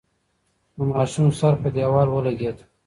د ماشوم سر په دېوال ولگېد.